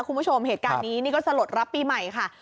คุณผู้ชมเหตุการณ์นี้นี่ก็สลดรับปีใหม่ค่ะ